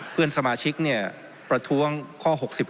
เพื่อนสมาชิกเนี่ยประท้วงข้อ๖๙